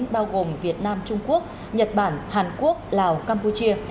bao gồm việt nam trung quốc nhật bản hàn quốc lào campuchia